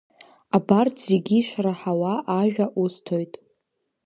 Абарҭ зегьы ишраҳауа ажәа усҭоит…